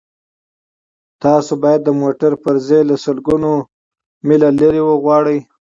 تاسو باید د موټر پرزې له سلګونه میله لرې وغواړئ